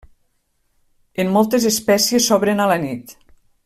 En moltes espècies s'obren a la nit.